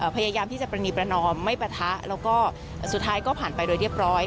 พยายามที่จะประนีประนอมไม่ปะทะแล้วก็สุดท้ายก็ผ่านไปโดยเรียบร้อย